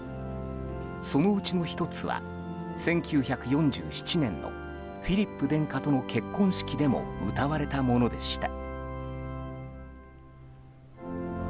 そのうちの１つは、１９４７年のフィリップ殿下との結婚式でも歌われたものでした。